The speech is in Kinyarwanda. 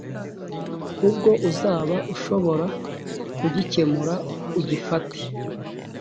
ubwo uzaba ushobora kugikemura ugifate